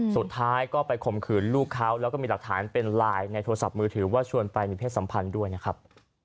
สุดท้ายก็ไปข่มขืนลูกเขาแล้วก็มีหลักฐานเป็นไลน์ในโทรศัพท์มือถือว่าชวนไปมีเพศสัมพันธ์ด้วยนะครับ